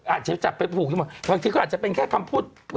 อาจจะจับไปผูกหรือเปล่าบางทีก็อาจจะเป็นแค่คำพูด